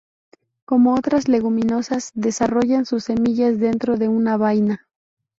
Como otras leguminosas, desarrollan sus semillas dentro de una vaina.